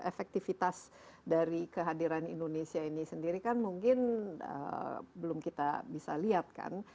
efektifitas dari kehadiran indonesia ini sendiri kan mungkin belum kita bisa lihatkan